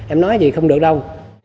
em nói gì không được đâu